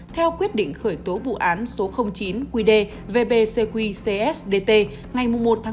theo quyết định khởi tố vụ án số chín qd vbcq cs dt ngày một ba hai nghìn hai mươi ba